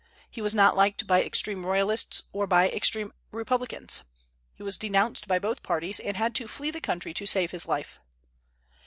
He was not liked by extreme Royalists or by extreme Republicans. He was denounced by both parties, and had to flee the country to save his life.